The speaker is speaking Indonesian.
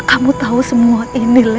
kamu tahu semua ini loh